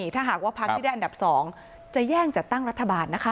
ถ้าหากว่าพักที่ได้อันดับ๒จะแย่งจัดตั้งรัฐบาลนะคะ